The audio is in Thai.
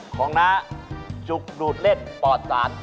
ของน้าจุกรูดเร็จปลอดสาร